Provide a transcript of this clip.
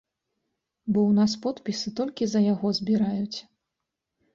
Бо ў нас подпісы толькі за яго збіраюць.